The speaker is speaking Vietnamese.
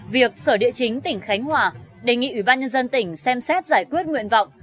việc sở địa chính tỉnh khánh hòa đề nghị ủy ban nhân dân tỉnh xem xét giải quyết nguyện vọng